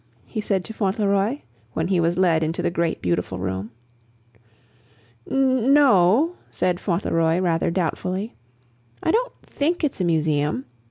he said to Fauntleroy, when he was led into the great, beautiful room. "N no !" said Fauntleroy, rather doubtfully. "I don't THINK it's a museum.